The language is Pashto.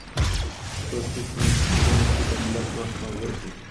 په تشو میټینګونو کي د ملت وخت مه ضایع کوئ.